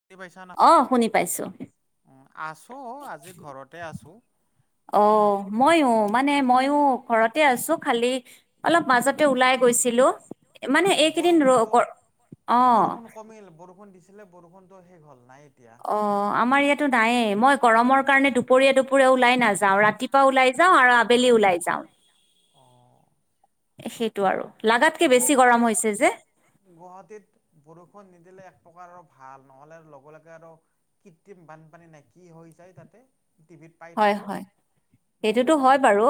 শুনি পাইছানা? অ' শুনি পাইছোঁ। অ' আছোঁ, আজি ঘৰতে আছোঁ। অ' মইয়ো মানে মইয়ো ঘৰতে আছোঁ। খালি অলপ মাজতে ওলাই গৈছিলো মানে উম, এইকেইদিন ৰ বৰষুণটো অ। এইফালে বৰষুণতো শেষ হ'ল নাই। এতিয়া। অ আমাৰ ইয়াতো নায়ে। মই গৰমৰ কাৰণে দুপৰীয়া, দুপৰীয়া ওলাই নাযাওঁ। ৰাতিপুৱা ওলাই যা। যাওঁ আৰু আবেলি ওলাই যাওঁ। অ' সেইটো আৰু লাগাতকে গ বেছি গৰম হৈছে যে গুৱাহাটীত বৰষুণ নিদিলে এক প্ৰকাৰৰ ভাল নহ'লে আৰু লগে লগে আৰু কৃত্ৰিম বানপানী নাই কি হৈ যায় তাতে টিভিত পাই হয় - থাকোঁ। হয় উম, সেইটোতো হয় বাৰু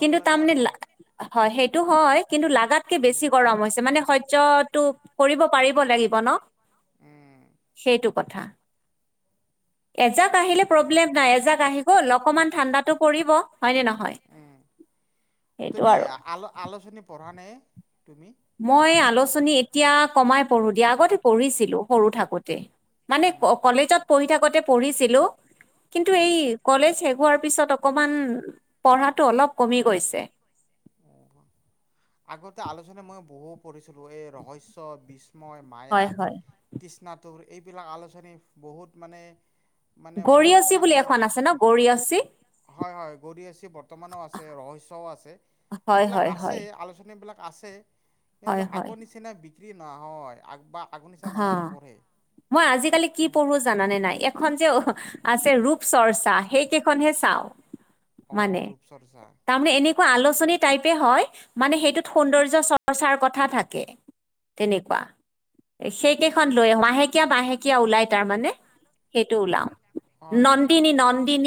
লগে কিন্তু লগে তাৰমানে আৰু হয় সেইটো হয় কিন্তু লাগাতকে উম। বেছি গৰম হৈছে মানে সহ্যয়তটো কৰিব পাৰিব লাগিব ন। উম, সেইটো কথা এজাক আহিলে প্ৰব্লেম নাই এজাক আহ। হ'ল অকমান ঠাণ্ডাটো পৰিব হয়নে নহয়। সেইটো তুমিল আৰু আলোচনী পঢ় নে। তুমি? মই আলোচনী এতিয়া কমাই পঢ়ো দিয়া আগতে পঢ়িছিলো সৰু থাকোতে। মানে উম, কলেজত পঢ়ি থাকোতে পঢ়িছিলো কিন্তু এই উম। কলেজ হেগোৱাৰ। তাৰ পিছত অকমান পঢ়াতটো অলপ কমি গৈছে। আগতে আগত আলোচনী মই বহু পঢ়িছিলো এই ৰহস্য় বিশ। মই মায়া হয় হয় কৃষ্ণাটুৰ এইবিলাক আলোচনী বহুত মানে। মানে বহুত গৰয়চী মানে বুলি এখন আছে ন গৰয়চী। হয় - হয় গৰি আচি বৰ্তমানও আছে ৰষ্টও আছে। হয় এইবিলাক হয় আছে হয় আলোচনী বিলাক আছে কিন্তু হয় হয় আগৰ নিচিনা। চ্ৰী ন হয় আগব। হা মই আজিকালি কি পঢ়ো জানানে নাই এখন যে আছে ৰূপ খুব চৰ্চা সেইকেইখনহে চাও। অ', ৰূপ চৰ্চা। সো আলোচনী টাইপে হয় মানে সেইটোত সৌন্দৰ্য্য চৰ্চাৰ কথা থাকে। তেনেকুৱা। সেই কেইখন লৈ আহো মাহেকীয়া বাহেকীয়া ওলাই তাৰ মানে সেইটো ওলাও। হয় - হয়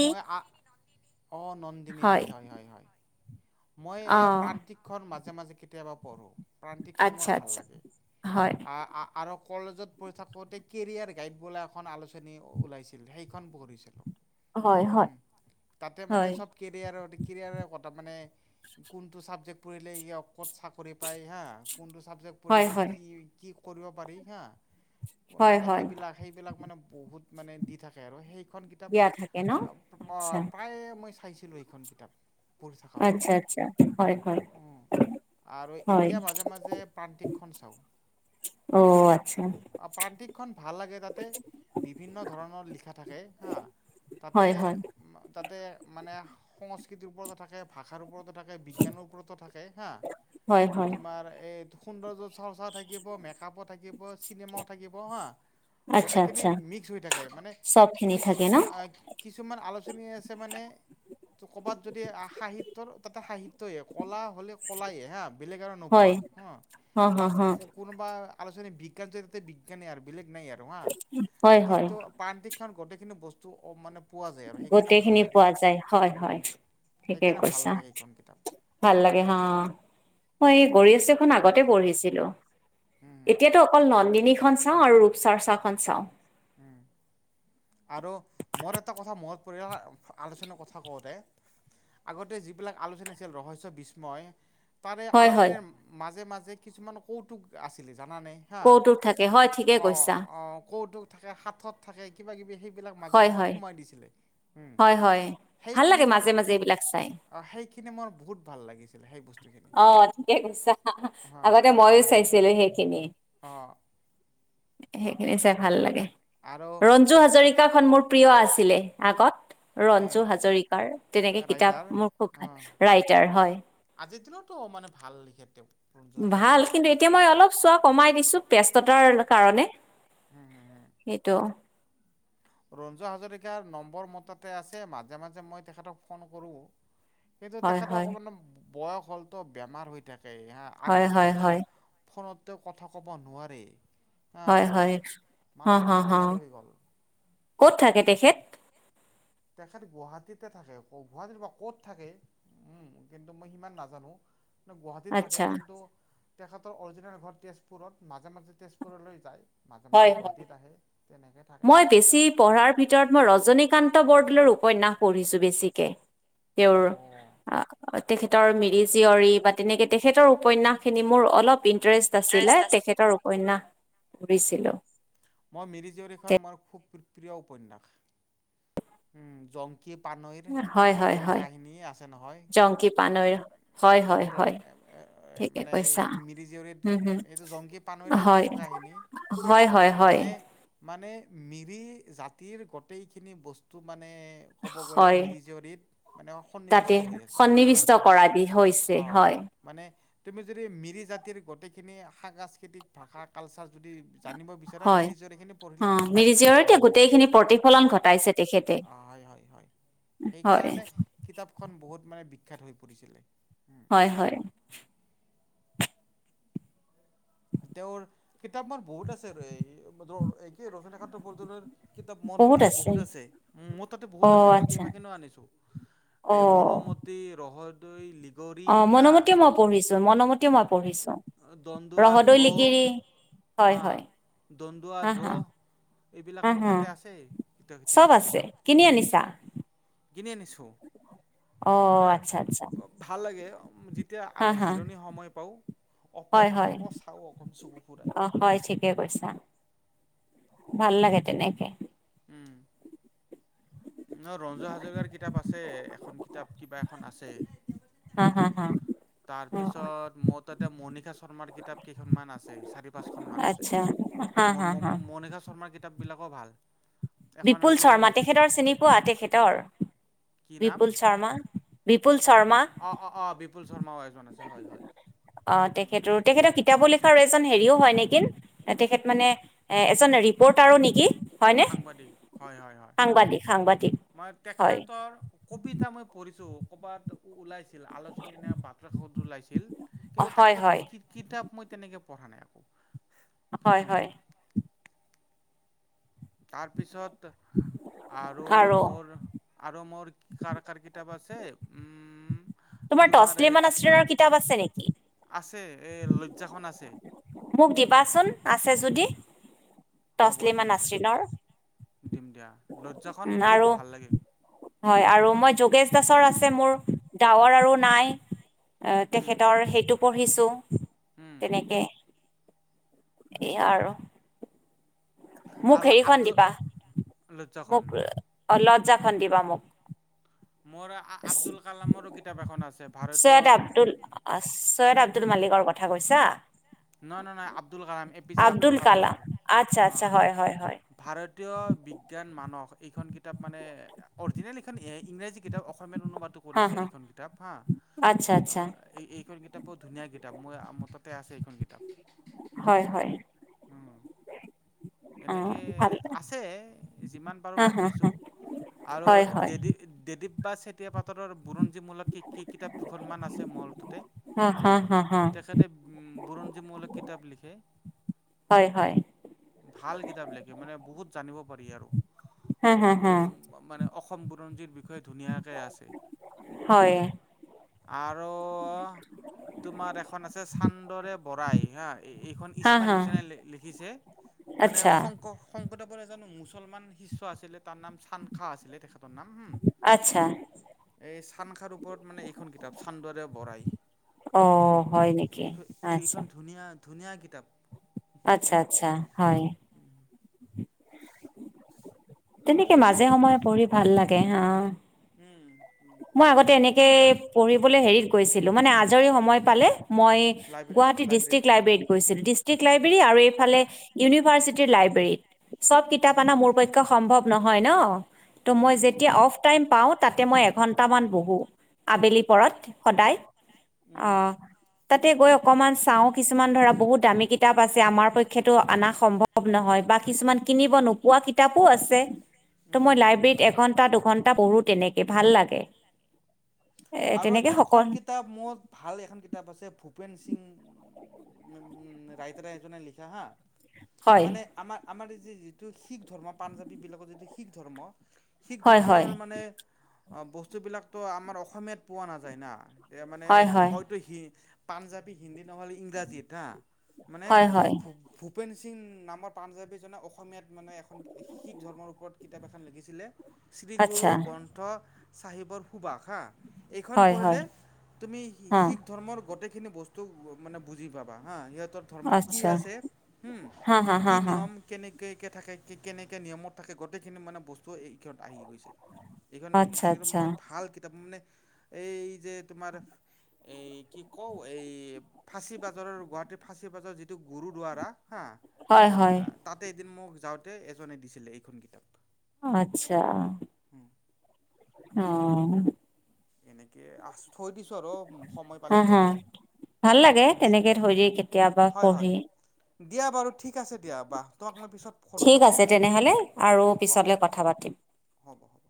মই আ অ নন্দিনী হয়। মই এই অঁ প্ৰান্তিকখন মাজে - মাজে কেতিয়াবা পঢ়ো। প্ৰণ্তিক্ষন আচ্ছা মোৰ ভাল আচ্ছা লাগে হয় আহ। আৰু কলেজত পঢ়ি থাকোতে কেৰিয়াৰ গাইড বোলে এখন আলোচনী ওলাইছিল সেইখন পঢ়িছিলো। হয় হয় উম, তাতে মানে হয় চব কেৰিয়াৰৰ - কেৰিয়াৰৰ কথা মানে। কোনটো চাবজেক্ট পঢ়িলে ই অত চাকৰি পায় হা কোনটো চাবজেক্ট হয় পঢ়িলে হয় কি - কি কৰিব পাৰি হা হয় মানে হয় সেইবিলাক সেইবিলাক মানে বহুত মানে দি থাকে আৰু সেই। খন কিতাপ দিয়া থাকে ন আচ্ছা প্ৰায়ে অ মই চাইছিলোঁ এইখন কিতাপ পঢ়ি থকাৰ ইচা সময়ত। হয় - হয়। আৰু হয় এতিয়া মাজে - মাজে প্ৰান্তিকখন চাও। অ, আচ্ছা। প্ৰান্তিকখন ভাল লাগে তাতে বিভিন্ন ধৰণৰ লিখা থাকে হা। হয় তাতে- হয় তাতে মানে সংস্কৃতিৰ ওপৰতে থাকে ভাষাৰ ওপৰতে ৰ থে হা হয় হয় তমাৰ চৰ্চা থাকিব মেকআপো থাকিব চিনেমাও থাকিব হা আচ্ছা গোটেইখিনি আচ্ছা মিক্স হৈ থাকে মানে চবখিনি কিছু। থাকে ন কিছুমান আলোচনী আছে মানে ত। ' ক'ৰবাত যদি সাহিত্যৰ তাতে সাহিত্যয়ে কলা হলে কলাইে হা। বেলেগ আৰু হয় নোপোৱা হ হা বা হা হা কোনোবা আলোচনী বিজ্ঞান চৰিতে বিজ্ঞানে আৰু বেলেগ নাই আৰু হা হয় হয় কিন্তু পানটিক গোটেইখিনি বস্তু মানে পোৱা যায় আৰু সেইকাৰণে ভাল গোটেইখিনি লাগে পোৱা যায় হয় - উম হয় ঠিকে সেইকাৰণে ভাল কৈছা লাগে সেইখন কিতাপ ভাল লাগে হা মই এই গৰ আছেখন আগতে পঢ়িছিলো। উম এতিয়াতো অকল নন্দিনী খন চাও আৰু ৰূপ চৰ্চা খন চাও। উম। আৰু মোৰ এটা কথা মনত পৰিল আলোচনাৰ কথা কওঁতে আগতে যিবিলাক আলোচনী আছিল ৰহস বিসয়। তাৰে হয় হয় আলোচনীৰ মাজে-মাজে কিছুমান কৌতুক আছিলে। জানা নাই হা, কৌতুক থাকে হয় ঠিকে অ, কৈছা অ, কৌতুক থাকে, সাথৰ থাকে, কিবা কিবি সেই এই বিলাক মাজে হয় মাজে হয় সোমাই দিছিলে। উম, হয়, হয়, ভাল লাগে মাজে মাজে এইবিলাক চাই। আহ সেইখিনি মোৰ বহুত ভাল লাগিছিলে সেই বস্তুখিনি, অ ঠিকে [unintelligible] ছেলে সেইখিনি অ', সেইখিনি চাই ভাল লাগে, আৰু ৰঞ্জু হাজৰিকা খন মোৰ প্ৰিয় আছিলে আগত। এ ৰঞ্জু হাজৰিকাৰ তেনেকে কিতাপ ৰাইটাৰ মোৰ খুব ভাল ৰাইটাৰ হয়। যি দিন ত মানে ভাল লিখে তেওঁ ৰঞ্জু ভাল হাজৰিকাই। কিন্তু এতিয়া মই অলপ চোৱা কমাই দিছোঁ। ব্যস্ততাৰ কাৰণে হম, হম, হম। এইটো ৰঞ্জু হাজৰিকাৰ নম্বৰ মোৰ তাতে আছে মাজে মাজে মই তেখেতক ফোন কৰোঁ। সেইটো হয় তেখেতৰ হয় অকমান বয়স হ'লতো বেমাৰ হৈ থাক সেই হা হয় আগৰ হয় নিচিনা হয় ফোনত তেওঁ কথা ক'ব নোৱাৰে। হা হয় হয় অ হ মানুহজন হ বেমাৰী হৈ গ'ল। ক'ত থাকে তেখেত? তেখেত গুৱাহাটীতে থাকে, গুৱাহাটীৰ বা ক'ত থাকে? উম, কিন্তু মই সিমান নাজানোঁ। গুৱাহাটীত থাকে আচ্ছা কিন্তু তেখেতৰ অৰিজিনেল ঘৰ তেজপুৰত, মাজে মাজে তেজপুৰলৈ যায়। মাজে হয় মাজে হয় গুৱাহাটীত আহে। তেনেকে থাকে মই বেছি পঢ়াৰ ভিতৰত মই ৰজনীকান্ত বৰদলৈৰ উপন্যাস পঢ়িছো বেছিকে। তেওঁৰ আ তেখেত তৰ মিৰি জীয়ৰি বা তেনেকে তেখেতৰ উপন্যাস খিনি মোৰ অলপ ইণ্টাৰেষ্ট আছিলে তেখেতৰ উপন্যাস পঢ়িছিলো। মই মিৰি জীয়ৰীখন মোৰ খুব পিত্ৰীয় উপন্যাস, উম, জং জঙ্কিপানৈৰ, হয় হয় প্ৰেম হয় কাহিনী আছে নহয়, জংকী পানৈৰ হয় জনকিপানৈৰ অ, হয় প্ৰেম হয় এ ঠিকে মানে কৈছা মিৰি জীয়ৰী হম হম এইটো জংকী পানৈৰে হয়, প্ৰেম কাহিনী। হয়, হয়, হয়, মানে মানে মিৰি জাতিৰ গোটেই খিনি বস্তু মান [inaudible] কব গ'লে হয়, মিৰি জীয়ৰিত মানে তাতে সন্নিৱিষ্ট হৈ আছে হা, সন্নিৱিষ্ট কৰা দি হৈছে অ। হয়, মানে তুমি যদি মিৰি জাতিৰ গোটেইখিনি সাংস্কৃতিক ভাষা কালচাৰ যদি জানিব বিচাৰা হয়, মিৰিজিয়ৰী খিনি পৰহিলে তুমি অ', পাই যাবা অ মিৰিজীয়ৰতে গোটেইখিনি প্ৰতিফলন ঘটাইছে তেখেতে অ হয় হয় হয়। হয়, সেইকাৰণে কিতাপখন বহুত মানে বিখ্যাত হৈ পৰিছিলে। হয় হয়। তেওঁৰ কিতাপ মান বহুত আছে [unintelligible] সেই ৰজীকান্ত বৰদলৈইৰ কিতাপ মোৰ তাতে বহুত আছে, মোৰ তাতে বহুত অ', আছে মই আচ্ছা কেইবাখানো আনিছো। এই অ', মনমতি, ৰহদৈ, লি অ মনমতি মই পঢ়িছো, মনমতি মই পঢ়িছো দন্দুৱা ৰহদৈ ধ্ৰ লিগিৰি। হয়, হা হয়, দন্দুৱা হা, হা, দ্ৰোহ এইবিলাক হা, মোৰ হা, তাতে আছে চব তেখেতৰ আছে কিতাপ। কিনি আনিছা কিনি আনিছো অ', মানে আচ্ছা, আচ্ছা, ভাল লাগে যি যেতিয়া আ হা, হা, জিৰণি সময় পাওঁ, অফ হয়, টাইমত হয়, আকৌ চাওঁ অকণ চকু ফুৰাই। অ', হয়, ঠিকে কৈছা ভাল লাগে তেনেকে। উম। ন ৰঞ্জু হাজৰিকাৰ কিতাপ আছে এখন কিতাপ কিবা এখন আছে হা, উম। হা, হা, অ'। তাৰপিছত মোৰ তাতে মনিষা শৰ্মাৰ কিতাপ কেইখনমান আছে চাৰি পাঁচখন মান আছে। আচ্ছা হা ম হা হা ম মণিষা শৰ্মাৰ কিতাপ বিলাকো ভাল। এখন বিপুল আছে শৰ্মা তেখেতৰ চিনি পোৱা তেখেতৰ, কি নাম বিপুল শৰ্মা বি অ অ অ বিপুল শৰ্মাও এজন আছে হয় হয় উম। তেওঁ এজন হেৰিও হয় নেকি তেখেত মানে এ এজন ৰিপৰ্টাৰো নেকি! হয়নে? সাংবাদিক সাংবাদিক সাংবাদিক মই হয় তেখেতৰ কবিতা মই পঢ়িছো। ক'ৰবাত ওলাইছিলআলোচনী ন বাতৰি কাকত ওলাইছিল। অ, কিন্তু হয় তেখেতৰ হয় কিতাপ মই তেনেকে পঢ়া নাই একো। হয়-হয়। তাৰপিছত আৰু মোৰ আৰু মোৰ। কাৰ, কাৰ কিতাপ আছে। উম তোমাৰ তছলিমমান আচৰিনৰৰ কিতাপ আছে নেকি। আছে এই লজ্জাখন আছে মোক দিবাচোন আছে যদি। হ'ব তছলিমা দিম দিয়া, নাছৰিনৰ দিম দিয়া। লজ্জাখন উম বহুত আৰু ভাল লাগে হয় আৰু মই য হীতেশ দাসৰ আছে মোৰ ডাৱৰ আৰু নাই, এই উম। তেখেতৰ সেইটো পঢ়ি দিছো উম তেনেকে এ আৰু মোক আৰু হেৰিখন আব্দুল দীপা লজ্জাখন মোক অ' লজ্জা খন দিবা মোক। মোৰ আব্দুল কালামৰো কিতাপ এখন আছে ভাৰতীয় চৈয়দ আব্দুল চৈয়দ আব্দুল মালিকৰ কথা কৈছা। নহয়, নহয় আব্দুল কালামৰ, A P J Abdul Kalam কালামৰ আচ্ছা আচ্ছা হয় হয় হয় অ'। ভাৰতীয় বিজ্ঞান। মানস এইখন কিতাপ মানে অৰিজিনেল এইখন ইংৰাজী কিতাপ অসমীয়া। অনুবাদ হা কৰিছে হা এইখন কিতাপ হা আচ্ছা আচ্ছা এইখন কিতাপ। কিতাপ বৰ ধুনীয়া কিতাপ, মোৰ তাতে আছে এইখন কিতাপ। হয়-হয়। উম এনেকে আছে যিমান পাৰো হা হা হা, ৰাখিছো। আৰু হয় হয় দেদিীপ বাা চেতিয়া পাটৰৰ বৰুণ। মোৰ লগত কিতাপ দুখন আছে মোৰ তাতে হা হম' হা হা হা তেখেতে উ পুৰঞ্জীৱ মূলক কিতাপ লিখে হয় হয় ভাল কিতাপ লিখে মানে বহুত জানিব পাৰি আৰু হা হা হা মানে অসম বুৰঞ্জীৰ বি। ত'সেই ধুনীয়াকে আছে হয় আৰু তোমাৰ এখন আছে চান্দৰে পৰাই হা, এইখন হা ইছমাইল হা হুছেইনে লিখিছে মানে আচ্ছা শংকৰ-শংকৰ [unintelligible] এজন মুছলমান শিষ্য আছিলে তাৰ নাম চানখা আছিলে তেখেত নাম হ আচ্ছা এই চান খাৰ ওপৰত মানে এইখন কিতাপ চান্দাৰে বঢ়াই। অ' হয় নেকি আচ্ছা। এইখন ধুনীয়া, ধুনীয়া কিতাপ। আচ্ছা-আচ্ছা হয়। তেনেকে পঢ়োঁ। মাজে-সময়ে পঢ়ি ভাল লাগে হা। উম'। মই আগতে এনেকে পঢ়িবলৈ হেৰিত গৈছিলো মানে আজৰি সময় পালে। মই গুৱাহাটী ডিষ্ট্ৰিক্ট লাইব্ৰেৰীত গৈছিলো, ডিষ্ট্ৰিক্ট লাইব্ৰেৰী আৰু এইফালে ইউনিভাৰ্চিটি লাইব্ৰেৰীত চব কিতাপ আনা উম। মোৰ পক্ষে সম্ভৱ নহয় ন'। ত' উম, মই হুম, হুম, যেতিয়া হুম। অফ টাইম পাওঁ তাতে মই তামত বহো আবেলি পৰত সদায় উম, অহ। তাতে গৈ অকমান চাও, কিছুমান ধৰা বহুত দামী কিতাপ আছে, আমাৰ পক্ষো অনা সম্ভৱ নহয়। হয় বা কিছুমান কিনিব। পোৱা কিতাপো আছে ত' উম, মই হুম, হুম, লাইব্ৰেৰত হুম। এঘন্টা দুঘন্টা পঢ়ো তেনেকে ভাল লাগে। এ আৰু তেনেকে সকল এখন কিতাপ মোৰ ভাল এখন কিতাপ আছে ভ ভপেন সিং উ - উ ৰাইতৰাজনে লিখা হা। হয়, মানে আমাৰ, আমাৰ এই যিটো শিখ ধৰ্ম পাঞ্জাবী বিলাকৰ যিটো শিখ ধৰ্ম। শিখ হয়, হয়, ধৰ্মৰ মানে বস্তু বিলাকতো আমাৰ অসমীয়াত পোৱা নাযায় না। তি মানে হয়, হয়, হয়তো হি পাঞ্জাৱী হিন্দী নহ'লে ইংৰাজীত হা মানে হয়, হয়, ভ ভূপেন সিং নামৰ পাঞ্জাবীজনে অসম। অসমীয়াত মানে এখন শিখ ধৰ্মৰ ওপৰত কিতাপ এখন লিখিছিলে শ্ৰী গুৰু আচ্ছা, গ্ৰন্থ।। চাহিবৰ সুভাষা এইখন হয়, হয়, পঢ়িলে তুমি অ', শিখ ধৰ্মৰ গোটেই। সেইখিনি বস্তু মানে বুজি পাবা হা সিহযে ধৰ্মত কি আচ্ছা, আছে হম হা, হা, হা, কি হা, নিয়ম কেনে কে - কে থাকে কেনেকৈ নিয়তাক গোটেইিনিানে বস্তু এই ক্ষত আহি গৈছে। আচ্ছা, এইখনদ আচ্ছা, মই ভাল কিতাপ মানে এই যে তোমাৰ এই কি কও এই ফাচী বাজাৰৰ গুৱাহাটীৰ ফাচী বাজাৰৰ যিটো গুৰু দ্বাৰা হয়- হয়। এদিন মোক যাওতে এজনে দিছিলে এইখন কিতাপ আচ্ছা। অ', এনেকে আ থৈ দিছো। হা - হা ভাল লাগে দি তেনেকে থৈ দি কেতিয়াবা হয় হয় পঢ়ি দিয়া বাৰু ঠিক আছে দিয়া বাাহ তাক মই পিছত ফোন ঠিক কৰিম আছে দিয়া তেনেহলে আৰু অহ পিছলে কথা পাতিম। হ'ব হ'ব